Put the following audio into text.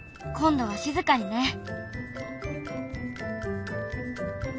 今度は静かにね。